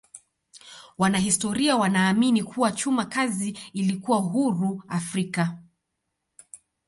Wanahistoria wanaamini kuwa chuma kazi ilikuwa huru Afrika.